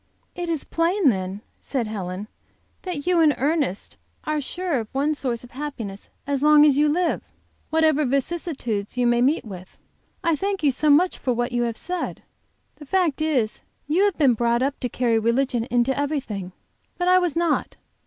"It is plain, then," said Helen, "that you and Ernest are sure of one source of happiness as long as you live, whatever vicissitudes you may meet with. I thank you so much for what you have said. The fact is you have been brought up to carry religion into everything. But I was not.